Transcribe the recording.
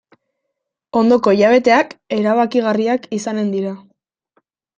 Ondoko hilabeteak erabakigarriak izanen dira.